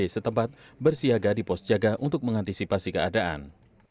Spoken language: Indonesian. setempat bersiaga di pos jaga untuk mengantisipasi keadaan